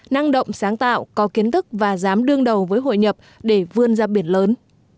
năng động sáng tạo có kiến thức và dám đương đầu với hội nhập để vươn ra biển lớn